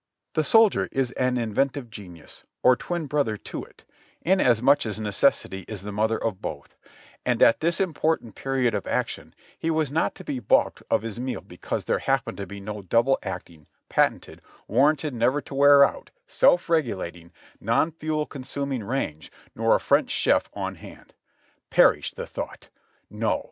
The soldier is an inventive genius, or twin brother to it, inas 284 JOHNNY RKB AND BILLY YANK much as Necessity is the mother of both; and at this important period of action he was not to be balked of his meal because there happened to be no double acting, patented, warranted never to wear out, self regulating, non fuel consuming range nor a French chef on hand. Perish the thought ! No.